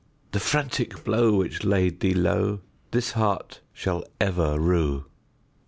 The frantic blow which laid thee lowThis heart shall ever rue."